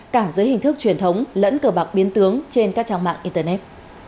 cảng dưới hình thức truyền thống lẫn cờ bạc biến tướng trên các trang mạng internet